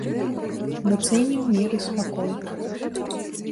Мы цэнім мір і спакой.